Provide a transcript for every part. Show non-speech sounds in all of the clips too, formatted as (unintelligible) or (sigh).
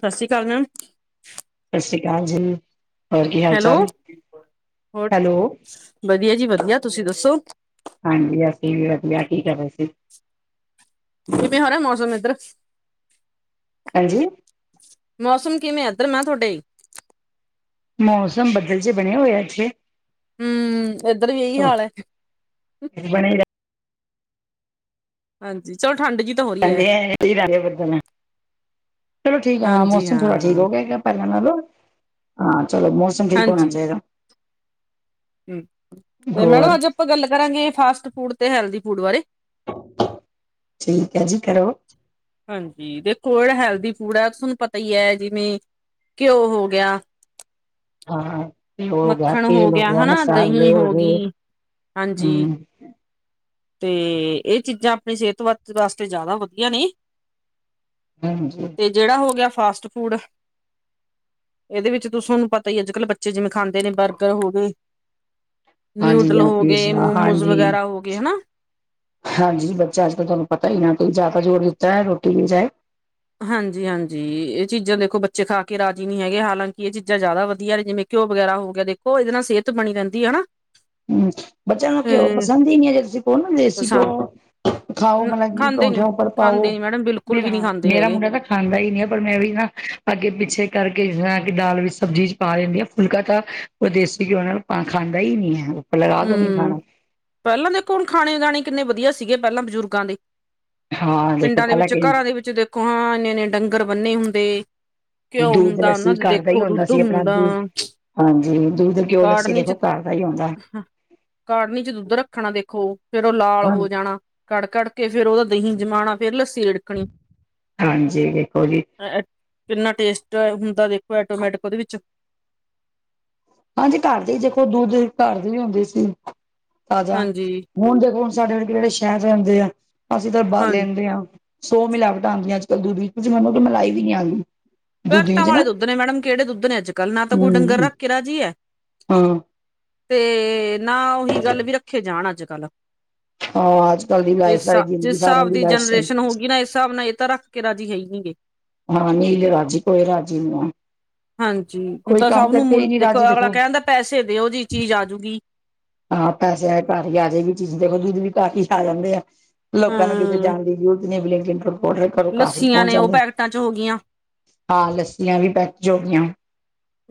ਸਾਸੀ ਕਾਲ ਮੈਮ। ਸਾਸੀ ਕਾਲ ਜੀ, ਹੋਰ ਕੀ ਹਾਲ ਹੈਲੋ ਚਾਲ ਏ, ਹੈਲੋ। ਵਦੀਆ ਜੀ ਵਦੀਆ ਤੁਸੀਂ ਦੱਸੋ? ਹਾਂਜੀ, ਅਸੀਂ ਵੀ ਵਦੀਆ ਕੀ ਕਰ ਰੇ ਸੀ? ਕਿੱਵੇ ਹੋਰਾ ਮੌਸਮ ਏਧਰ। ਹਾਂਜੀ। ਮੌਸਮ ਕਿਵੇਂ ਏਧਰ ਮੈਂ ਤੁਆਡੇ? ਮੌਸਮ ਬੱਦਲ ਜੇ ਬਣੇ ਹੋਏਆ ਐਥੇ। ਹੂੰ, ਏਧਰ ਵੀ ਏਹੀ ਹਾਲ ਐ। ਬਣੇਗਾ। ਹਾਂਜੀ, ਚਲੋ ਠੰਡ ਜੀ ਤਾਂ ਹੋ (unintelligible) ਰਹੀ ਹੈ ਚਲੋ ਠੀਕ ਆ, ਹਾਂ, ਹਾਂਜੀ ਮੌਸਮ ਥੋੜਾ ਠੀਕ ਹਾਂ ਹੋ ਗਿਆ ਪੈਲਾ ਨਾਲੋ, ਹਾਂ, ਚਲੋ ਮੌਸਮ ਠੀਕ ਹੋਣਾ ਚਾਈਦਾ। ਹੂੰ, ਤੇ ਮੈਡਮ ਅੱਜ ਅਪਾਂ ਗੱਲ ਕਰਾਂਗੇ ਫਾਸਟ ਫੂਡ ਤੇ ਹੈਲਦੀ ਫੂਡ ਬਾਰੇ। ਠੀਕ ਐ ਜੀ, ਕਰੋ। ਹਾਂਜੀ, ਦੇਖੋ ਜੇੜਾ ਹੈਲਦੀ ਫੂਡ ਐ ਓ ਸਾਨੂੰ ਪਤਾ ਈ ਐ ਜਿਵੇਂ ਘਿਓ ਹੋ ਗਿਆ ਹਾਂ ਘਿਓ ਹੋ ਗਿਆ ਮੱਖਣ ਹੋ ਤੇਲ ਗਿਆ, ਹੈਨਾ ਮਸਾਲੇ ਦਹੀਂ ਹੋ ਗਏ ਹੋਗੀ, ਹਾਂਜੀ। ਹੂੰ ਤੇ ਇਹ ਚੀਜ਼ਾਂ ਅਪਣੀ ਸੇਹਤ ਵਾ ਵਾਸਤੇ ਜੈਦਾ ਵਦੀਆ ਨੇ। ਹਾਂਜੀ। ਜੇੜਾ ਹੋ ਗਿਆ ਫਾਸਟ ਫੂਡ ਐਦੇ ਵਿੱਚ ਤੁਸਾ ਨੂੰ ਪਤਾ ਈ ਅੱਜ-ਕੱਲ ਬੱਚੇ ਜਿਵੇਂ ਖਾਂਦੇ ਨੇ ਬਰਗਰ ਹੋਗੇ ਹਾਂਜੀ ਨਿਊਡਲ ਜਾਂ ਹੋਗੇ, ਪੀਜ਼ਾ ਮੋਮੋਸ ਹਾਂਜੀ ਵਗੈਰਾ ਹੋਗੇ ਹੈਨਾ। ਹਾਂਜੀ, ਬੱਚਾ ਅੱਜ ਕੱਲ ਤੁਆਨੂੰ ਪਤਾ ਈ ਇਨਾਂ ਤੇ ਈ ਜੈਦਾ ਜੋਰ ਦਿੱਤਾ ਰੋਟੀ ਦੀ ਬਜਾਏ ਹਾਂਜੀ-ਹਾਂਜੀ, ਏ ਚੀਜ਼ਾਂ ਦੇਖੋ ਬੱਚੇ ਖਾ ਕੇ ਰਾਜੀ ਨੀ ਹੈਗੇ ਹਾਲਾਂਕਿ ਇਹ ਚੀਜ਼ਾਂ ਜੈਦਾ ਵਦੀਆ ਨੇ ਜਿਵੇਂ ਘਿਓ ਵਗੈਰਾ ਹੋ ਗਿਆ ਦੇਖੋ ਇਦੇ ਨਾਲ ਸੇਹਤ ਬਣੀ ਰਹਿੰਦੀ ਹੈਨਾ। ਹੂੰ, ਬਚਿਆਂ ਨੂੰ ਘਿਓ ਪਸੰਦ ਈ ਨੀ ਐ ਜੇ ਤੁਸੀਂ ਕੋਈ ਨਾ ਦੇਸੀ ਪਸੰਦ ਘਿਓ ਖਾਓ ਨਾ ਮਲਾ ਕਿ ਖਾਂਦੇ ਨੀ ਪਰੌਂਠਿਆਂ ਉੱਪਰ ਪਾਓ ਖਾਂਦੇ ਨੀ ਮੈਡਮ ਬਿਲਕੁਲ ਮੇਰਾ ਵੀ ਨੀ ਹਾਂ ਖਾਂਦੇ ਮੇਰਾ ਹੈਗੇ ਮੁੰਡਾ ਤਾਂ ਖਾਂਦਾ ਈ ਨਾ ਆ, ਪਰ ਮੈਂ ਵੀ ਨਾ ਅੱਗੇ ਪਿੱਛੇ ਕਰਕੇ ਜਿਸ ਤਰਾ ਕਿ ਦਾਲ ਵਿੱਚ ਸਬਜ਼ੀ ਚ ਪਾ ਦੇਨੀ ਆ ਫੁਲਕਾ ਤਾਂ ਓ ਦੇਸੀ ਘਿਓ ਨਾਲ ਪਾ ਖਾਂਦਾ ਈ ਨਈ ਐ। ਹੂੰ, ਪੈਲਾਂ ਦੇਖੋ ਹੁਣ ਖਾਣੇ ਗਾਣੇ ਕਿੰਨੇ ਵਦੀਆ ਸੀਗੇ ਪੈਲਾਂ ਬਜ਼ੁਰਗਾਂ ਦੇ ਹਾਂ ਦੇਖੋ ਪਿੰਡਾਂ ਦੇ ਪਹਿਲਾਂ ਵਿੱਚ, ਕਿ ਘਰਾਂ ਦੇ ਵਿੱਚ ਦੇਖੋ ਹਾਂ ਇੰਨੇ-ਇੰਨੇ ਡੰਗਰ ਬੰਨੇ ਹੁੰਦੇ ਘਿਓ ਦੁੱਧ, ਹੁੰਦਾ ਉਹਨਾਂ ਲੱਸੀ ਦੇ ਘਰ ਦਾ ਈ ਦੇਖੋ ਹੁੰਦਾ ਦੁੱਧ ਸੀ ਅਪਣਾ ਦੁੱਧ, ਹਾਂਜੀ, ਦੁੱਧ ਘਿਉ, ਲੱਸੀ ਕਾੜਨੀ ਚ ਦੇਖੋ ਘਰ ਸਹੀ ਹੁੰਦਾ। ਕਾੜਨੀ ਚ ਦੁੱਧ ਰੱਖਣਾ ਦੇਖੋ ਫੇਰ ਉਹ ਲਾਲ ਹੋ ਜਾਣਾ। ਕੜ- ਕੱੜ ਕੇ ਫੇਰ ਉਹਦਾ ਦਹੀਂ ਜਮਾਣਾ ਫੇਰ ਲੱਸੀ ਰਿ ਹਾਂਜੀ ਉਹੀ। ਕਿੰਨਾ ਟੇਸਟ ਹੁੰਦਾ ਦੇਖੋ ਐਟੋਮੈਟਿਕ ਉਹਦੇ ਵਿੱਚ ਹਾਂਜੀ ਘਰ ਦੇ ਹੀ ਦੇਖੋ ਦੁੱਧ ਘਰ ਦੇ ਵੀ ਹੁੰਦੇ ਸੀ ਤਾਜ਼ਾ। ਹਾਂਜੀ ਹੁਣ ਦੇਖੋ ਹੁਣ ਸਾਡੇ ਜਿਹੜੇ ਸ਼ਹਿਰ ਰਹਿੰਦੇ ਆ ਅਸੀਂ ਤਾ ਬਾਹਰ ਹਾਂਜੀ ਲੈਂਦੇ ਆਾਂ। ਸੌ ਮਿਲਾਵਟਾਂ ਹੁੰਦੀਆਂ ਅੱਜ ਕੱਲ ਦੁੱਧ ਵਿੱਚ ਕੁੱਝ ਮੈਨੂੰ ਕਿ ਮਲਾਈ ਵੀ ਨਹੀਂ ਆਂਦੀ। ਪੈਕਟਾਂ ਵਾਲੇ ਦੁੱਧ ਨੇ ਮੈਡਮ ਕਿਹੜੇ ਦੁੱਧ ਨੇ ਅੱਜ ਕੱਲ੍ਹ ਨਾ ਤਾਂ ਕੋਈ ਡੰਗਰ ਹਮ ਰੱਖ ਕੇ ਰਾਜੀ ਹੈ। ਹਾਂ ਤੇ ਨਾ ਉਹੀ ਗੱਲ ਵੀ ਰੱਖੇ ਜਾਣ ਅੱਜ ਕੱਲ ਹਾਂ ਅੱਜ ਕੱਲ ਦੀ ਲਾਈਫ ਜਿਸ ਸਾਰੀ -ਜਿਸ ਜ਼ਿੰਦਗੀ ਸਾਰਿਆਂ ਹਿਸਾਬ ਦੀ ਲਾਈਫ ਸਟਾਈਲ ਜਨਰੇਸ਼ਨ ਹੋ ਗਈ ਨਾ ਇਸ ਹਿਸਾਬ ਨਾਲ ਇਹ ਤਾਂ ਰੱਖ। ਕੇ ਰਾਜੀ ਹੈ ਹੀ ਨਹੀਂ ਗੀ। ਹਾਂ ਜੇ ਰਾਜੀ ਕੋਈ ਰਾਜੀ ਨਹੀਂ ਹੈ। ਹਾਂਜੀ ਹੁਣ ਕੋਈ ਤਾਂ ਕੰਮ ਸਭ ਨੂੰ ਕਰਕੇ ਮੁਲ ਹੀ ਨਹੀਂ ਦੇਖੋ ਰਾਜੀ ਅਗਲਾ ਕਹਿ ਦਿੰਦਾ ਪੈਸੇ ਦਿਓ ਜੀ ਚੀਜ਼ ਆਜੂਗੀ। ਹਾਂ ਪੈਸੇ ਆਏ ਘਰ ਹੀ ਆ ਜਾਏਗੀ ਚੀਜ਼ ਦੇ (inaudible) ਖੋ ਜੂਦ ਵੀ ਘਰ ਆ ਜਾਂਦੇ ਆ ਲੋਕਾਂ ਨੂੰ ਕਿਤੇ ਹਮ ਜਾਣ ਦੀ ਜ਼ੂਰ (inaudible) ਡੋ ਕਾਫੀ ਲੱੱਸੀਆਂ ਪਹੁੰਚ ਨੇ ਉਹ ਜਾਂਦੇ ਪੈਕਟਾਂ ਚ ਹੋ ਗਈਆਂ ਹਾਂ ਲੱੱਸੀਆਂ ਵੀ ਪੈਕ ਜੋਗੀਆਂ।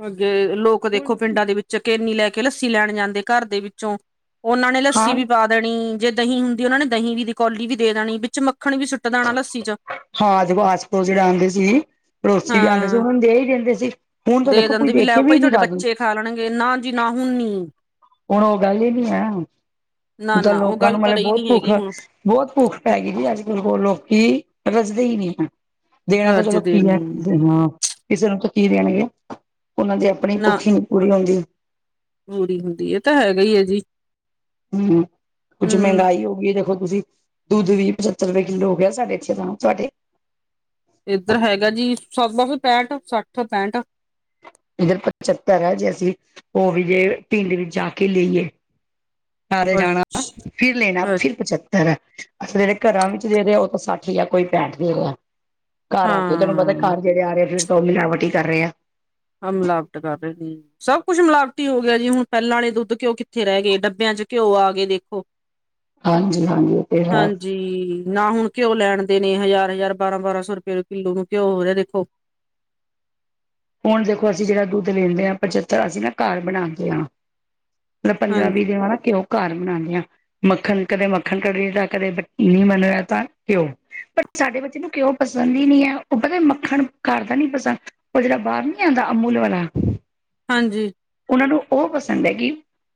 ਅੱਗੇ ਲੋਕ ਦੇਖੋ ਪਿੰਡਾਂ ਦੇ ਵਿੱਚ ਕੇਨੀ ਲੈ ਕੇ ਲੱਸੀ ਲੈਣ ਜਾਂਦੇ ਘਰ ਦੇ ਵਿੱਚੋਂ ਉਹਨਾਂ ਨੇ ਲੱਸੀ ਹਾਂ ਵੀ ਪਾ ਦੇਣੀ ਜੇ ਦਹੀਂ ਹੁੰਦੀ ਉਹਨਾਂ ਨੇ ਦਹੀਂ ਵੀ ਦੀ ਕੌਲੀ ਵੀ ਦੇ ਦੇਣੀ ਵਿੱਚ ਮੱਖਣ ਵੀ ਸੁ ਹਾਂ ਜਦੋ ਆਸ ਪੜੋਸੀ ਜਿਹੜੇ ਆਉਂਦੇ ਸੀ ਪੜੋਸੀ ਵੀ ਆਉਂਦੇ ਸੀ ਹਾਂ ਉਹਨਾਂ ਨੂੰ ਦੇ ਹੀ ਦਿੰਦੇ ਸੀ। ਹੁਣ ਤਾਂ ਦੇਖੋ ਕੋਈ ਦਿੰਦੇ ਦੇ ਲੈ ਕੇ ਵੀ ਭਾਈ ਨੀ ਤੁਹਾਡੇ ਰਾਜੀ। ਬੱਚੇ ਖਾ ਲੈਣਗੇ ਨਾ ਜੀ ਨਾ ਹੁਣ ਨੀ। ਹੁਣ ਉਹ ਗੱਲ ਹੀ ਨੀ ਹੈਣ ਨਾ ਤਾਂ ਨਾ ਉਹ ਲੋਕਾਂ ਗੱਲ ਨੂੰ ਤਾਂ ਮਤਲਬ ਰਹੀ ਬਹੁਤ ਨੀ ਭੁੱਖ। ਹੈਗੀ ਹੁਣ ਬਹੁਤ ਭੁੱਖ ਪੈ ਗਈ ਜੀ ਅੱਜ ਕੱਲ ਹੁਣ ਲੋਕੀ ਰਜਦੇ ਹੀ ਨਹੀਂ ਹੈ। ਦੇਣਾ ਤਾਂ ਰੱਜ ਚਲੋ ਦੇ ਕੀ ਹੈ ਨੀ ਹਾਂ ਕਿਸੇ ਨੂੰ ਤਾਂ ਕੀ ਦੇਣਗੇ ਉਹਨਾਂ ਦੇ। ਆਪਣੀ ਨਾ ਭੁੱਖ ਹੀ ਨੀ ਪੂਰੀ ਹੁੰਦੀ। ਪੂਰੀ ਹੁੰਦੀ ਇਹ ਤਾਂ ਹੈਗਾ ਹੀ ਹੈ ਜੀ। ਹਮ ਕੁੱਛ ਹਮ ਮਹਿੰਗਾਈ ਹੋ ਗਈ ਹੈ ਦੇਖੋ ਤੁਸੀਂ। ਦੁੱਧ ਵੀ ਸੱਤਰ ਰੁਪਏ ਕਿੱਲੋ ਹੋ ਗਿਆ ਸਾਡੇ ਇੱਥੇ ਤਾਂ ਤੁਹਾਡੇ? ਇੱਧਰ ਹੈਗਾ ਜੀ ਸਠ ਪੈਂਠ ਸੱਠ ਪੈਂਠ। ਇੱਧਰ ਪਚੱਤਰ ਹੈ ਜੇ ਅਸੀਂ ਉਹ ਵੀ ਜੇ ਪਿੰਡ ਵਿੱਚ ਜਾ ਕੇ ਲਈਏ। ਨਾਲੇ ਜਾਣਾ ਫਿਰ ਲੈਣਾ ਫਿਰ ਪ ਅੱਛਾ ਜਿਹੜੇ ਘਰਾਂ ਵਿੱਚ ਦੇ ਰਹੇ ਆ ਉਹ ਤਾਂ ਸੱਠ ਹੀ ਆ ਕੋਈ ਪੈਂਹਠ ਨਹੀਂ ਹੈਗਾ। ਘਰ ਆ ਕੇ ਤੁਹਾਨੂੰ ਪਤਾ ਹਾਂ ਘਰ ਜਿਹੜੇ ਆ ਰਹੇ ਫਿਰ ਤਾਂ ਉਹ ਮਿਲਾਵਟੀ ਕਰ ਰਹੇ ਆ। ਸਬ ਮਲਾਵਟ ਕਰ ਰਹੇ ਨੇ। ਸਭ ਕੁੱਛ ਮਿਲਾਵਟੀ ਹੋ ਗਿਆ ਜੀ ਹੁਣ ਪਹਿਲਾਂ ਵਾਲੇ ਦੁੱਧ ਘਿਓ ਕਿੱਥੇ ਰਹਿ ਗਏ ਡੱਬਿਆਂ ਚ ਘਿਓ ਆ ਗਏ ਦੇਖੋ। ਹਾਂਜੀ- ਹਾਂਜੀ ਫਿਰ ਹੈ। ਜੀ ਨਾ ਹੁਣ ਘਿਓ ਲੈਣ ਦੇ ਨੇ ਹਜ਼ਾਰ -ਹਜ਼ਾਰ, ਬਾਰਾਂ- ਬਾਰਾਂ ਸੌ ਰੁਪਏ ਕਿੱਲੋ ਨੂੰ ਘਿਓ ਹੋ ਰਿਹਾ ਦੇਖੋ। ਹੁਣ ਦੇਖੋ, ਅਸੀਂ ਜਿਹੜਾ ਦੁੱਧ ਲੈਂਦੇ ਹਾਂ ਪਚੱਤਰ ਅਸੀਂ ਨਾ ਘਰ ਬਣਾ ਕੇ ਹਾਂ। ਮਤਲਬ ਪੰਦਰਾਂ ਵੀਹ ਹਾਂਜੀ ਦਿਨਾਂ ਬਾਅਦ ਘਿਓ। ਘਰ ਬਣਾਉਂਦੇ ਹਾਂ ਮੱਖਣ ਕਦੇ ਮੱਖਣ ਕੱਢ ਲਿਤਾ ਤਾਂ ਕਦੇ ਨਹੀਂ ਮਨ ਕੀਤਾ ਘਿਓ। ਪਰ ਸਾਡੇ ਬੱਚੇ ਨੂੰ ਘਿਓ ਪਸੰਦ ਹੀ ਨਹੀਂ ਹੈ। ਉਹ ਪਤਾ ਮੱਖਣ ਕਰਦਾ ਨੀ ਪਸੰਦ। ਉਹ ਜਿਹੜਾ ਬਾਹਰ ਨੀ ਆਉਂਦਾ ਅਮੂਲ ਵਾਲਾ। ਹਾਂਜੀ ਉਹਨਾਂ ਨੂੰ ਉਹ ਪਸੰਦ ਹੈ ਕਿ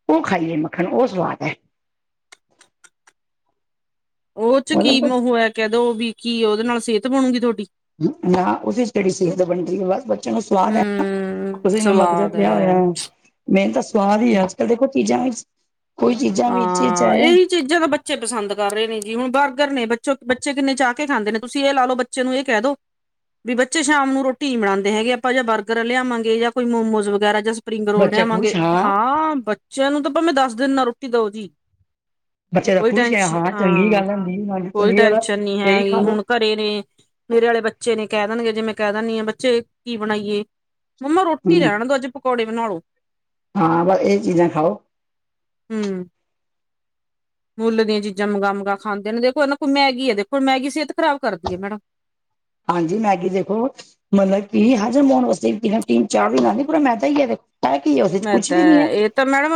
ਉਹ ਖਾਈਏ ਮੱਖਣ ਉਹ ਸਵਾਦ ਹੈ। ਉਹ ਚ ਕੀ ਮਤਲਬ ਹੋਇਆ ਕਹਿ ਦੋ ਵੀ ਕੀ ਉਹਦੇ ਨਾਲ ਸਿਹਤ ਬਣੂਗੀ ਤੁਹਾਡੀ। ਨਾ ਉਹਦੇ ਕਿਹੜੀ ਸਿਹਤ ਬਣਦੀ ਹੈ। ਬਸ ਬੱਚਿਆਂ ਨੂੰ ਸਵਾਦ ਹੈ। ਨਾ ਹਮ ਉਸ ਵਿੱਚ ਨਮਕ ਸਵਾਦ ਪਿਆ ਹੈ ਹੋਇਆ। ਮੇਨ ਤਾਂ ਸਵਾਦ ਹੀ ਆ ਅੱਜ ਕੱਲ ਦੇਖੋ ਚੀਜ਼ਾਂ ਵਿੱਚ ਕੋਈ ਚੀਜ਼ਾਂ ਵਿੱਚ ਹਾਂ ਚਾਹੇ। ਇਹੀ ਚੀਜ਼ਾਂ ਤਾਂ ਬੱਚੇ ਪਸੰਦ ਕਰ ਰਹੇ ਨੇ ਜੀ। ਹੁਣ ਬਰਗਰ ਨੇ ਬੱਚੇ ਕਿੰਨੇ ਚਾਹ ਕੇ ਖਾਂਦੇ ਨੇ। ਤੁਸੀਂ ਇਹ ਲਾ ਲਉ ਬ ਬੱਚੇ ਨੂੰ ਇਹ ਕਹਿ ਦੋ ਵੀ ਬੱਚੇ ਸ਼ਾਮ ਨੂੰ ਰੋਟੀ ਹੀ ਬਣਾਉਂਦੇ ਹੈਗੇ, ਆਪਾਂ ਜਾਂ ਬਰਗਰ ਲਿਆਵਾਂਗੇ ਜਾਂ ਕੋਈ ਮੋਮੋਸ ਵਗੈਰਾ ਜਾਂ ਸਪਰਿੰਗ ਰੋਲ ਬੱਚੇ ਲਿਆਵਾਂਗੇ। ਖੁਸ਼ ਹਾਂ, ਬੱਚਿਆਂ ਨੂੰ ਤਾਂ ਭਾਵੇਂ ਦਸ ਦਿਨ ਨਾਂ ਰੋਟੀ ਦਓ ਜੀ। ਬੱਚੇ ਦਾ ਕੋਈ ਖੁਸ਼ ਹੈ ਟੈਨਸ਼, ਚੰਗੀ ਹਾਂ, ਗੱਲ ਹੁੰਦੀ ਹਾਂਜੀ ਕੋਈ ਚੰਗੀ ਗੱਲ ਟੈਸ਼ਨ ਨੀਂ ਇਹੀ ਖਾ ਹੈਗੀ। ਲੋ ਹੁਣ ਘਰੇ ਨੇਂ, ਮੇਰੇ ਵਾਲੇ ਬੱਚੇ ਨੇ ਕਹਿ ਦੇਣਗੇ ਜੇ ਮੈਂ ਕਹਿ ਦਿੰਣੀ ਆਂ, ਬੱਚੇ ਕੀ ਬਣਾਈਏ? ਮੰਮਾ ਰੋਟੀ ਹਮ ਰਹਿਣ ਦੋ, ਅਜ ਪਕੌੜੇ ਬਣਾਲੋ। ਹਾਂ, ਬਸ ਇਹ ਚੀਜ਼ਾਂ ਖਾਓ। ਹਂ ਮੁੱਲ ਦੀਆਂ ਚੀਜ਼ਾਂ ਮੰਗਾ, ਮੰਗਾ ਖਾਂਦੇ ਨੇਂ, ਦੇਖੋ ਨਾਂ ਕੋਈ ਮੈਗੀ ਐ, ਦੇਖੋ! ਮੈਗੀ ਸਿਹਤ ਖ਼ਰਾਬ ਕਰਦੀ ਐ। ਹੈਨਾਂ? ਹਾਂਜੀ, ਮੈਗੀ ਦੇਖੋ ਮਤਲਬ ਕੀ ਹਾਜ਼ਰ ਮੋਨ ਵਾਸਨ ਚਾਰ (inaudible) ਪੂਰਾ ਮੈਦਾ ਈ ਏਤੇ। ਹੈ ਕੀ ਹੈ ਉਹਦੇ ਚ ਮੈਂ ਕੁਛ ਵੀ ਨੀਂ ਐ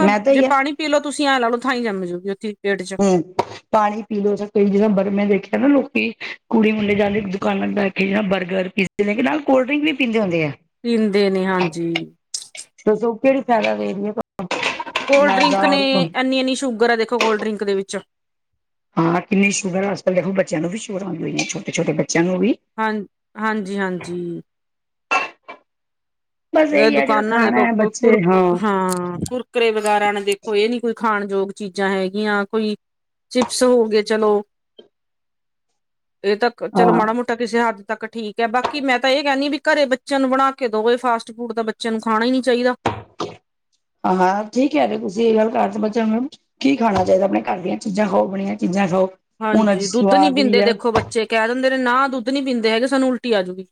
ਮੈਦਾ ਈ ਐ। ਪੀਲ ਤੁਸੀਂ ਲਾ ਲੋ ਥਾਈ ਜੰਮ ਜੂਗੀ ਉ ਪੇਟ ਚ। (unintelligible) ਪਾਣੀ ਪੀ ਲਓ, ਜਿੱਦਾਂ ਬਰ ਮੈਂ ਦੇਖਿਆ ਨਾਂ ਲੋਕੀ ਕੁੜੀ ਮੁੰਡੇ ਜਾਂਦੇ ਦੁਕਾਨਾਂ ਜ ਬਰਗਰ ਪੀਜ਼ ਜਿਲ੍ਹ ਕਿ ਨਾਲ ਕੋਲਡ ਡਰਿੰਕ ਵੀ ਪੀਂਦੇ ਹੁੰਦੇ ਆ। ਪੀਂਦੇ ਨੇ ਹਾਂਜੀ। ਦੱਸੋ ਕਿਹੜੀ ਫਾਇਦਾ ਦੇਦੀਆਂ। (unintelligible) ਕੋਲਡ ਡਰਿੰਕ ਨੇਂ, ਇੰਨੀ-ਇੰਨੀ ਸ਼ੂਗਰ ਆ ਦੇਖੋ ਕੋਲਡ ਡਰਿੰਕ ਦੇ ਵਿੱਚ ਹਾਂ ਕਿੰਨੀ ਸ਼ੂਗਰ ਅਜ-ਕਲ ਦੇਖੋ, ਬੱਚਿਆਂ ਨੂੰ ਵੀ ਸ਼ੂਗਰ ਆਂਦੀ ਐ। ਛੋਟੇ ਛੋਟੇ-ਬੱਚਿਆਂ ਨੂੰ ਵੀ ਹਾਂ ਹਾਂਜੀ, ਹਾਂਜੀ। ਬਸ ਇਹੀ ਹੈ ਜਿਹੜਾ ਦੁਕਾਨਾਂ ਨੇਂ ਖਾਣਾ ਹੈ ਬੱਚੇ ਕੁਰਕਰ ਹਾਂ ਕੁਰ ਕੁਰਕਰੇ ਵਗੇਰਾ ਨੇਂ ਦੇਖੋ, ਇਹ ਨੀਂ ਕੋਈ ਖਾਣ ਯੋਗ ਚੀਜ਼ਾਂ ਹੈਗੀਆਂ। ਕੋਈ ਚਿਪਸ ਹੋ ਗਏ ਚਲੋ, ਇਹ ਤਾਂ ਚਲੋ ਮਾੜਾ-ਮੋਟਾ ਹਾਂ ਤਾਂ ਕਿਸੇ ਹੱਦ ਤੱਕ ਠੀਕ ਐ, ਬਾਕੀ ਮੈਂ ਤਾਂ ਇਹ ਕਹਿੰਣੀ ਵੀ ਘਰੇ ਬੱਚਿਆਂ ਨੂੰ ਬਣਾ ਕੇ ਦੋਵੇ ਫਾਸਟ ਫੂਡ ਤਾਂ ਬੱਚਿਆਂ ਨੂੰ ਖਾਣਾ ਈ ਨਹੀਂ ਚਾਹੀਦਾ। ਹਾਂ, ਹਾਂ ਠੀਕ ਹੈ। ਤੁਸੀ ਇਹ ਗੱਲ ਕਰ ਤੇ ਬਚੇਆ ਨੂੰ ਕੀ ਖਾਣਾ ਚਾਹੀਦਾ? ਆਪਣੇ ਘਰ ਦੀਆਂ ਚੀਜ਼ਾਂ ਖਾਓ, ਬਣੀਆਂ ਚੀਜ਼ਾਂ ਖਾਓ। ਉਹਨਾਂ ਚ ਹਾਂਜੀ, ਦੁੱਧ ਨੀਂ ਸਵਾਦ ਵੀ ਪੀਂਦੇ ਹੈ ਦੇਖੋ ਬੱਚੇ ਕਹਿ ਦਿੰਦੇ ਨੇਂ ਨਾਂ ਦੁੱਧ ਨੀਂ ਪੀਂਦੇ ਹੈਗੇ, ਸਾਨੂੰ ਉਲਟੀ ਆਜੂਗੀ।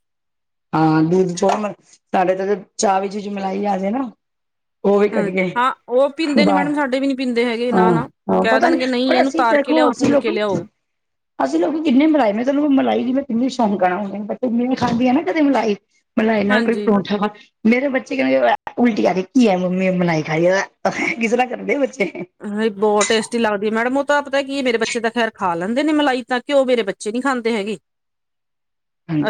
ਹਾਂ, ਦੁਧ ਚੋ ਸਾਡੇ ਤਾਂ ਚਾਹ ਵੀ ਚੀਜ਼ ਮਿਲਾਈ ਆ ਜੇ ਨਾਂ। (inaudible) ਹਂ, ਹਾਂ ਉਹ ਪੀਂਦੇ ਨੀਂ ਬਾਹਰ ਮੈਡਮ ਸਾਡੇ ਵੀ ਨੀਂ ਪੀਂਦੇ ਹੈਗੇ, ਇਹ ਹਾਂ ਨਾਂ ਹਾਂ ਕਹਿ ਪਤਾ ਨੀ ਦੇਣਗੇ ਨਹੀਂ ਪਰ ਇਹਨੂੰ ਅਸੀਂ ਤਾਰ ਕੇ ਦੇਖੋ ਲਿਆਓ। ਅਸੀਂ ਪੁਨ ਕੇ ਲੋਕੀ ਲਿਆਓ। ਅਸੀਂ ਲੋਕ ਕਿੰਨੇ ਮਲਾਏ, ਮੈਂ ਤੁਹਾਨੂੰ ਮਲਾਈ ਦੀ ਮੈਂ ਕਿੰਨਨੀ ਸ਼ੌਂਕਣ ਆਂ, ਬ ਮੈਂ ਖਾਂਦੀ ਆਂ ਨਾਂ ਕਦੇ ਮਲਾਈ ਮਤਲਬ ਇਹ ਨਾਲ ਕੋਈ ਹਾਂਜੀ ਪਰੌਂਠਾ ਵਾ ਮੇਰੇ ਬੱਚੇ ਕਹਿੰ ਉਲਟੀ ਆਖ ਕੀ ਆ ਮੰਮੀ ਬਨਾਈ ਖਾਈ, ਕਿਸ ਤਰ੍ਹਾਂ ਕਰਦੇ ਬੱਚੇ। ਹ ਬਹੁਤ ਟੇਸਟੀ ਲੱਗਦੀ ਐ ਮੈਡਮ, ਉਹ ਤਾਂ ਪਤਾ ਕੀ ਮੇਰੇ ਬੱਚੇ ਤਾਂ ਖੈਰ ਖਾ ਲੈਂਦੇ ਨੇਂ ਮਲਾਈ ਤਾਂ ਕਿਉ ਮੇਰੇ ਬੱਚੇ ਨਹੀਂ ਖਾਂਦੇ ਹੈਗੇ,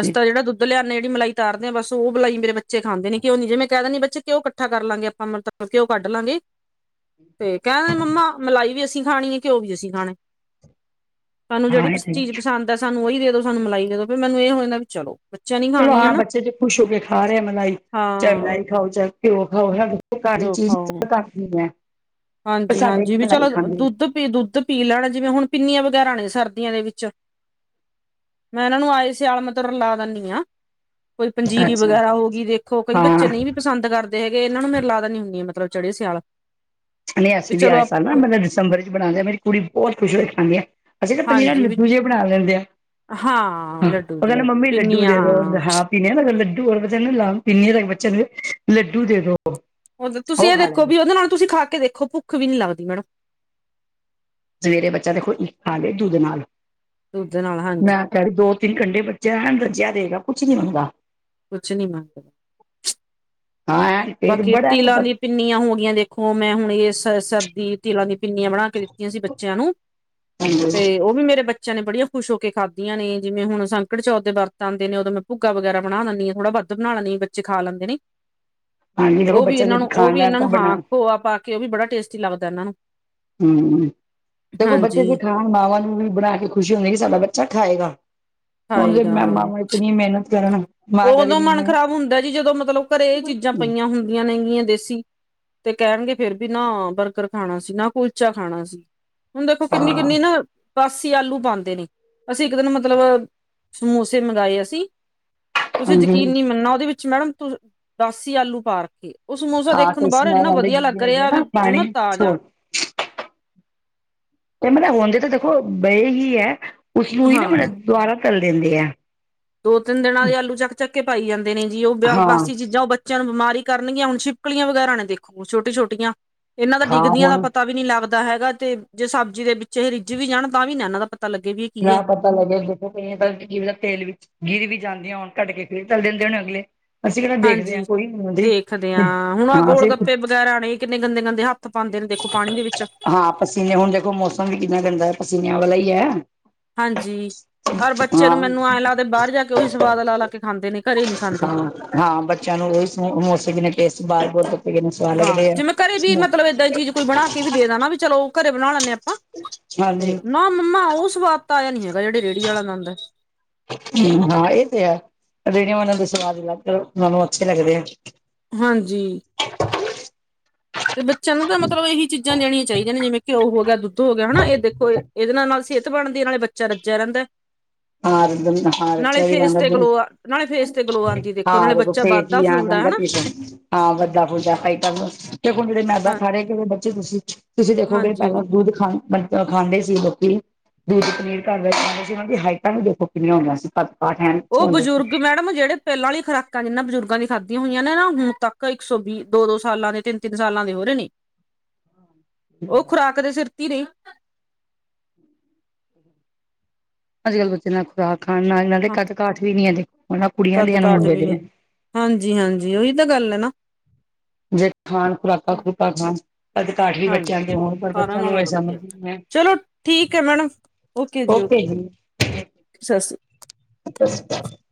ਅਸੀ ਤਾਂ ਜਿਹੜਾ ਦੁੱਧ ਦ ਲਿਆਣੇ ਜਿਹੜੇ ਮਲਾਈ ਤਾਰਦੇ ਆਂ, ਬਸ ਉਹ ਮਲਾਈ ਮੇਰੇ ਬੱਚੇ ਖਾਂਦੇ ਨੇਂ, ਘਿਓ ਨੂੰ ਜੇ ਮੈਂ ਕਹਿ ਦਿੰਣੀ ਬੱਚੇ ਘਿਉ ਕੱਠਾ ਕਰ ਲਾਂਗੇ ਆਪਾਂ ਮਤਲਬ ਘਿਓ ਕੱਢ ਲਾਂਗੇ। ਤੇ ਕਹਿਣਦੇ ਮੰਮਾ ਮਲਾਈ ਵੀ ਅਸੀਂ ਖਾਣੀਏ, ਘਿਓ ਵੀ ਅਸੀਂ ਖਾਣਾ ਤੁਹਾਨੂੰ ਜਿਹੜੀ ਹਾਂ ਪ ਇਹ ਤੇ ਚੀਜ਼ ਪਸੰਦ ਸਾਨੂੰ ਉਹੀ ਦੇ ਦੋ, ਸਾਨੂੰ ਮਲਾਈ ਦੇੋ ਦੋ, ਮੈਨੂੰ ਇਹ ਹੋ ਜਾਂਦਾ ਵੀ ਚਲੋ। ਬੱਚਿਆਂ ਨੀ ਚਲੋ ਖਾਣੀ ਹਾਂ, ਹਨਾ ਬੱਚੇ ਜੋ ਖੁਸ਼ ਹੋ ਕੇ ਖਾ ਰਹੇ ਮਲਾਈ ਚਾਹੇ ਹਾਂ ਮਲਾਈ। ਖਾਓ ਚਾਹੇ ਪਿਓ ਖਾਓ, ਘਰ ਦੀ ਘਿਓ ਚੀਜ਼ ਖਾਓ ਕਰਨੀ ਹੈ। ਪਰ ਹਾਂਜੀ ਸਾਡੇ ਨੀ ਹਾਂਜੀ, ਵੀ ਮਲਾਈ ਚਲੋ ਖਾਂਦੇ ਦੁੱਧ ਪੀ, ਦੁੱਧ ਪੀ ਲੈਣ ਜਿਵੇਂ ਹੁਣ ਪਿੰਨੀਆਂ ਵਗੈਰਾ ਨੇਂ ਸਰਦੀਆਂ ਦੇ ਵਿੱਚ ਮੈਂ ਇਹਨਾਂ ਨੂੰ ਆਏ ਸੀ ਆਲਮਤ ਰਲਾ ਦੇਣੀ ਆਂ। ਕੋਈ ਪੰਜੀਰੀ ਅੱਛਾ ਵਗੈਰਾ ਹੋ ਗਈ ਦੇਖੋ, ਕਈ ਹਾਂ ਬੱਚੇ ਨਹੀਂ ਵੀ ਪਸੰਦ ਕਰਦੇ ਹੈਗੇ, ਇਹਨਾਂ ਨੂੰ ਮੇਰੇ ਲਾ ਦੇਨੀ ਹੁੰਣੀ ਆਂ ਮਤਲਬ ਚੜੇ ਸਿਆਲ ਨਈਂ ਅਸੀਂ ਵੀ ਆਏ ਸਾਲ ਨਾਂ ਮਤਲਬ ਦਸੰਬਰ ਚ ਬਣਾਂਦੇ ਹਾਂ, ਮੇਰੀ ਕੁੜੀ ਬਹੁਤ ਖੁਸ਼ ਹੋਈ ਖਾਂਦੀ ਐ। ਅਸੀਂ ਤਾਂ ਪਨੀਰਾਂ ਹਾਂਜੀ ਵੀ ਲੱਡੂ ਜਿਹੇ ਬਣਾ ਲੈਂਦੇ ਆ ਹਾਂ ਉਹ ਲੱਡੂ ਕਹਿੰਦੇ ਜੀ ਮੰਮੀ ਲੱਡੂ ਪਿੰਨੀਆਂ ਦੇ ਦੋ ਹਾਂ ਪੀਨੀ ਨਾ ਲੱਡੂ ਹੋਰ ਬੱਚਾ ਨਾ ਲ ਪੀਨੀ ਤਾਂ ਬੱਚਿਆਂ ਨੂੰ ਲੱਡੂ ਦੇ ਦੋ। ਉਹ ਤੁਸੀਂ ਇਹ ਖਾ ਦੇਖੋ ਲੈਣਗੇ ਵੀ ਉਹਦੇ ਨਾਲ ਤੁਸੀਂ ਖਾ ਕੇ ਦੇਖੋ ਭੁੱਖ ਵੀ ਨੀ ਲੱਗਦੀ ਮੈਡਮ ਸਵੇਰੇ ਬੱਚਾ ਦੇਖੋ ਇੱਕ ਖਾਲੈ ਦੁੱਧ ਨਾਲ। ਦੁੱਧ ਨਾਲ ਹਾਂਜੀ। ਮੈਂ ਦੋ ਤਿੰਨ ਕੰਢੇ ਬੱਚੇ ਹੈਣ ਰੱਜਿਆ ਦੇਰਗਾ ਕੁੱਛ ਨੀ ਮੰਗਦਾ ਕੁਛ ਨਹੀਂ ਮੰਗਦਾ ਹਾਂ, ਪੇਟ ਬਾਕੀ ਬੜਾ ਤਿਲਾਂ ਦੀ ਪਿੰਨੀਆਂ ਹੋ ਗਈਆਂ ਦੇਖੋ ਮੈਂ ਹੁਣ ਇਹ ਸ ਸਰਦੀ। ਤਿਲਾਂ ਦੀਆਂ ਪਿੰਨੀਆਂ ਬਣਾ ਕੇ ਦਿੱਤੀਆਂ ਸੀ ਬੱਚਿਆਂ ਨੂੰ ਤੇ ਉਹ ਵੀ ਮੇਰੇ ਬੱਚੇ ਬੱਚੇਆ ਨੇ ਬੜੀਆਂ ਖੁਸ਼ ਹੋ ਕੇ ਖਾਦੀਆਂ ਨੇ ਜਵੇਂ ਹੁਣ ਸੰਕ ਚੋਟ ਦੇ ਵਰਤ ਆਂਦੇ ਨੇ ਉਦੋਂ ਭੁੱਗਾ ਵਗੈਰਾ ਬਣਾ ਲੈਂਦੀ ਥੋੜਾ ਦੁੱਧ ਨਾਲ ਨਹੀਂ ਬੱਚੇ ਖਾ ਲੈਂਦੇ ਨੇ। ਹਾਂਜੀ ਦੇਖੋ ਉਹ ਵੀ ਬੱਚਾ ਇਹਨਾਂ ਜੇ ਨੂੰ ਉਹ ਵੀ ਖਾਣਾ ਇਹਨਾਂ ਨੂੰ ਤਾਂ ਬਣਾ ਹਾਂ ਖੋਆ ਪਾ ਕੇ ਉਹ ਵੀ ਬੜਾ ਟੇਸਟੀ ਲੱਗਦਾ ਇਹਨਾਂ ਨੂੰ ਹਮ ਦੇਖੋ ਬੱਚੇ ਜੇ ਹਾਂਜੀ ਖਾਣ ਮਾਵਾਂ ਨੂੰ ਵੀ ਬਣਾ ਕੇ ਖੁਸ਼ੀ ਹੁੰਦੀ ਹੈ ਕਿ ਸਾਡਾ ਬੱਚਾ ਖਾਏਗਾ। ਹੁਣ ਖਾਏਗਾ ਮੈਂ ਇਤਨੀ ਮਿਹਨਤ ਕਰਨ। ਮਾਂ ਕਰੇ ਉਦੋਂ ਨੀ ਮਨ ਮੈਂ ਖਰਾਬ ਹੁੰਦਾ ਜੀ ਜਦੋਂ ਮਤਲਬ ਘਰੇ ਇਹ ਚੀਜ਼ਾਂ ਪਈਆਂ ਹੁੰਦੀਆਂ ਨੇਗੀਆਂ ਦੇਸੀ। ਤੇ ਕਹਿਣਗੇ ਫੇਰ ਵੀ ਨਾ ਬਰਗਰ ਖਾਣਾ ਸੀ ਨਾ ਕੁਲਚਾ ਖਾਣਾ ਸੀ ਹੁਣ ਦੇਖੋ ਕਿੰਨੀ ਕਿੰਨੀ ਹਾਂ ਨਾ ਬਾਸੀ ਆਲੂ ਪਾਉਦੇ ਨੇ ਅਸੀਂ ਇੱਕ ਦਿਨ ਮਤਲਬ ਸਮੋਸੇ ਮੰਗਵਾਏ ਅਸੀਂ ਤੁਸੀਂ ਹਾਂਜੀ ਯਕੀਨ ਨਹੀਂ ਮੰਨਣਾ ਉਹਦੇ ਵਿੱਚ ਮੈਡਮ ਦਾਸੀ ਆਲੂ ਪਾਰ। ਉਸ ਸਮੋਸਾ ਹਾਂ ਦੇਖਣ ਕੋਈ ਨੂੰ ਬਾਹਰ ਸਮੈਲ ਇੰਨਾ ਆਂਦੀ ਵਧੀਆ ਲੱਗ ਗਿੱਲੇ ਜੇ ਰਿਹਾ ਨਾ ਵੀ ਜਿਮਾ ਪਾਣੀ ਤਾਜਾ ਛੋੜ ਤੇ ਮਤਲਬ ਹੁਣਦੇ ਤਾਂ ਦੇਖੋ ਬਏ ਹੀ ਹੈ ਉਸਨੂੰ ਹੀ ਨਾ ਹਾਂ ਮਤਲਬ ਦੁਬਾਰਾ ਤਲ ਦਿੰਦੇ ਆ। ਦੋ ਤਿੰਨ ਦਿਨਾਂ ਦੇ ਆਲੂ ਚੱਕ ਚੱਕ ਕੇ ਪਾਈ ਜਾਂਦੇ ਨੇ ਜੀ ਉਹ ਹਾਂ ਬਾਸੀ ਚੀਜ਼ਾਂ ਉਹ ਬੱਚਿਆਂ ਨੂੰ ਬਿਮਾਰੀ ਕਰਨਗੀਆਂ ਹੁਣ ਛਪਲੀਆਂ ਵਗੈਰਾ ਨੇ ਦੇਖੋ ਛੋਟੀ ਛੋਟੀਆਂ। ਇਹਨਾਂ ਦਾ ਹਾਂ ਡਿੱਗਦੀਆਂ ਦਾ ਹੁਣ ਪਤਾ ਵੀ ਨਹੀਂ ਲੱਗਦਾ। ਹੈਗਾ ਤੇ ਜੇ ਸਬਜ਼ੀ ਦੇ ਪਿੱਛੇ ਰਿੱਜ ਵੀ ਜਾਣ ਤਾਂ ਵੀ ਨਾ ਇਹਨਾਂ ਦਾ ਪਤਾ ਲੱਗੇ ਵੀ। ਕੀ ਹੈ (unintelligible) ਪਤਾ ਲ ਤੇਲ ਵਿੱਚ ਗਿਰ ਵੀ ਜਾਂਦੀਆਂ ਘੱਟ ਕੇ ਚੱਲ ਦਿੰਦੇ ਹੋਣੇ ਅਗਲੇ। ਅਸੀਂ ਕਿਹੜਾ ਦੇਖਦੇ ਹਾਂਜੀ, ਹਾਂ ਕੋਈ ਨੀ ਹੁੰਦੀ ਦੇਖਦੇ ਹਾਂ ਹੁਣ ਆ ਗੋਲ ਅਸੀਂ ਗੱਪੇ ਰਾਣੇ ਕਿੰਨੇ ਗੰਦੇ ਗੰਦੇ ਹੱਥ ਪਾਉਂਦੇ ਨੇ ਦੇਖੋ ਪਾਣੀ ਦੇ ਵਿੱਚ। ਹਾਂ ਪਸੀਨੇ ਹੁਣ ਦੇਖੋ ਮੌਸਮ ਵੀ ਕਿੰਨਾ ਗੰਦਾ ਪਸੀਨਿਆਂ ਵਾਲਾ ਹੀ ਹੈ। ਹਾਂਜੀ ਰ ਬੱਚੇ ਨੂੰ ਹਾਂ ਮੈਨੂੰ ਐਂ ਲਾਦੇ ਬਾਹਰ ਜਾ ਕੇ ਉਹੀ ਸਵਾਦ ਲਾ ਲਾ ਕੇ ਖਾਂਦੇ ਨੇ ਘਰੇ ਨਹੀਂ ਖਾਂਦੇ। ਹਾਂ ਹਾਂ, ਬੱਚਿਆਂ ਨੂੰ ਉਹੀ ਸਮੋਸੇ ਬਿ ਨੇ ਟੇਸਟ ਬਾਹਰ ਬ ਧੋੇ ਕਿਨ ਸਵਾਦ ਹਾਂ ਲੱਗਦੇ ਆ। ਜਿਵੇਂ ਘਰੇ ਵੀ ਮਤਲਬ ਏਦਾਂ ਹੀ ਚੀਜ਼ ਕੋਈ ਬਣਾ ਕੇ ਵੀ ਦੇਣਾ ਵੀ ਚਲੋ ਘਰੇ ਬਣਾ ਲੈਂਦੇ ਹ ਆਪਾਂ ਤੇ ਹਾਂਜੀ ਨਾ ਮੰਮਾ ਉਹ ਸਵਾਦ ਤਾਂ ਆਇਆ ਨੀ ਹੈਗਾ ਜਿਹੜੇ ਰੇਹੜੀ ਵਾਲਾ ਦੰਦ ਹਾਂ, ਇਹ ਤੇ ਹੈ ਜਿਹੜ ਉਹਨਾਂ ਦੇ ਸਵਾਦ ਲੱਗ ਉਹਨਾਂ ਨੂੰ ਅੱਛੇ ਲੱਗਦੇ ਆ। ਹਾਂਜੀ, ਤੇ ਬੱਚਿਆਂ ਨੂੰ ਤਾਂ ਮਤਲਬ ਇਹੀ ਚੀਜ਼ਾਂ ਦੇਣੀਆਂ ਚਾਹੀਦੀਆਂ ਨੇ ਜਿਵੇਂ ਘਿਓ ਹੋ ਗਿਆ ਦੁੱਧ ਹੋ ਗਿਆ ਹਨਾ ਇਹ ਦੇਖੋ ਇਹਦੇ ਨਾਲ ਸਿਰ ਬਣਦੀ ਨਾਲੇ ਬੱਚਾ ਰੱਜਿਆ ਰਹਿੰਦਾ। ਹ ਹ ਰ ਵੀ ਨਾਲੇ ਜਾਂ ਫੇਸ ਲ ਤੇ ਗਲੋ ਨਾਲੇ ਫੇਸ ਤੇ ਗਲੋ ਆਂਦੀ ਦੇਖੋ ਨਾਲੇ ਹਾਂ ਬੱਚਾ ਫੇ ਵੱਧਦਾ ਜੀ ਆ ਫੁੱਲਦਾ ਜਾਂਦਾ ਹਨਾ ਪੇਸੇਂਟ ਹਾਂ ਵੱਡਾ ਫੂਜਾ ਖਾਈ ਕਰ ਤੇ ਹੁਣ ਜਿਹੜੇ ਮੈਦਾ ਹਾਂ ਖਾਰੇ ਕਿ ਬੱਚੇ ਤੁਸੀਂ ਤੁਸੀਂ ਦੇਖੋਗੇ ਹਾਂਜੀ ਪਹਿਲਾਂ ਦੁੱਧ ਖਾਣ ਮਤਲਬ ਖਾਂਦੇ ਸੀ ਲੋਕੀ ਦੁੱਧ ਪਨੀਰ ਘਰ ਵਿੱਚ ਖਾਂਦੇ ਸੀ ਉਹਨਾਂ ਦੀ ਹਾਈਟਾਂ ਵੀ ਦੇਖੋ ਕਿੰਨੀਆਂ ਹੁੰਦੀਆਂ ਸੀ ਪਤਾ ਉਹ ਬਜ਼ੁਰਗ ਮੈਡਮ ਜਿਹੜੇ ਪਹਿਲਾਂ ਵਾਲੀ ਖੁਰਾਕ ਕਾ ਜਿੰਨਾਂ ਬਜ਼ੁਰਗਾਂ ਦੀ ਖਾਧੀਆਂ ਹੋਈਆਂ ਨੇ ਨਾ ਹੁਣ ਤੱਕ ਇੱਕ ਸੌ ਵੀਹ ਦੋ ਦੋ ਸਾਲਾਂ ਦੇ ਤਿੰਨ ਤਿੰਨ ਸਾਲਾਂ ਦੇ ਹੋ ਰਹੇ ਨੇ ਸੀ। ਉਹ ਖੁਰਾਕ ਦੇ ਸਿਰ ਤੇ ਨੇ ਅੱਜ ਕੱਲ੍ਹ ਬੱਚੇ ਨਾਲ ਖੁਰਾਕ ਖਾਣ ਨਾਲ ਇਹਨਾਂ ਦੇ ਹਾਂ ਕੱਦ ਕਾਠ ਵੀ ਨੀ ਹੁਣ ਨਾ ਕੁੜੀਆਂ ਦੇ ਕੱਦ ਆਂ ਨਾ ਕਾਠ ਮੁੰਡਿਆ ਵੀ ਨੀ ਦੇ ਹਾਂਜੀ ਹਾਂਜੀ ਉਹੀ ਤਾਂ ਗੱਲ ਹੈ ਨਾ ਜੇ ਖਾਣ ਖੁਰਾਕ ਖੁਰਾਕਾਂ ਖਣ ਕਦ ਕਾਠ ਵੀ ਹਾਂਜੀ ਬੱਚਿਆਂ ਦੇ ਹੋਣ ਪਰ ਸਾਰਿਆਂ ਬੱਚਿਆਂ ਨੂੰ ਨਾਲੋਂ ਇਹ ਵਧੀਆ ਸਮਝ ਨ ਹੈ ਚਲੋ ਠੀਕ ਹੈ ਮੈਡਮ ਓਕੇ ਜੀ। ਸਤਿ ਸ੍ ਸਤਿ ਸ੍ਰੀ ਆਕਾਲ (unintelligible)